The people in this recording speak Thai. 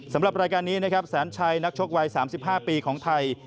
สำหรับรายการนี้นะครับแสนชัยนักชกวัย๓๕ปีของไทย